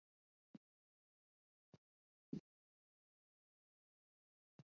沙瓦讷勒维龙是瑞士联邦西部法语区的沃州下设的一个镇。